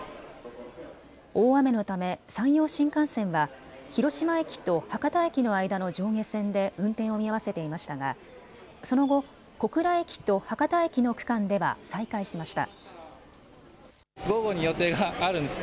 大雨のため山陽新幹線は広島駅と博多駅の間の上下線で運転を見合わせていましたがその後、小倉駅と博多駅の区間では再開しました。